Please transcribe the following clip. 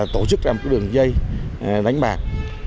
tổ chức ra một đường dây đánh bạc